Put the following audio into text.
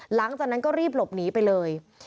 หลังจากนั้นก็รีบหลบหนีไปเลย